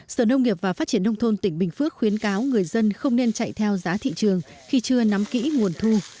sở nông nghiệp và phát triển nông thôn tỉnh bình phước khuyến cáo người dân không nên chạy theo giá thị trường khi chưa nắm kỹ nguồn thu